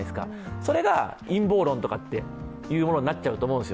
それが陰謀論とかっていうものになっちゃうと思うんですよ。